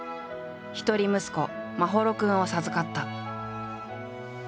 一人息子眞秀君を授かった。